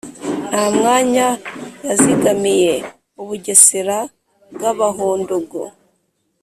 nta mwanya yazigamiye u bugesera bw' abahondogo.